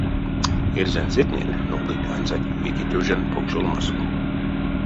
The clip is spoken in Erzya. Эрзянсетнень нолдыть ансяк... вейке тёжань покшолмасо.